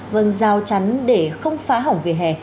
vâng giao chắn để không phá hỏng vỉa hè